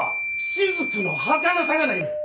滴のはかなさがないねん！